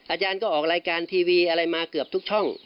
อาจารย์ก็ออกรายการทีวีอะไรมาเกือบทุกช่อง